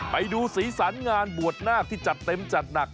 ไปดูสีสันงานบวชนาคที่จัดเต็มจัดหนัก